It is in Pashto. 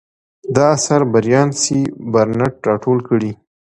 دا اثر بریان سي بارنټ راټول کړی.